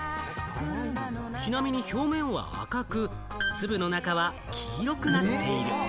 ちなみに表面は赤く、粒の中は黄色くなっている。